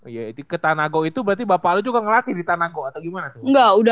iya itu ke tanago itu berarti bapak lo juga ngelatih di tanago atau gimana tuh